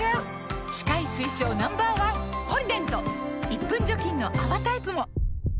１分除菌の泡タイプも！